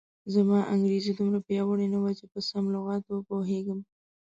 زما انګریزي دومره پیاوړې نه وه چې په سم لغت و پوهېږم.